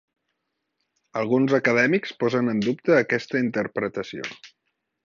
Alguns acadèmics posen en dubte aquesta interpretació.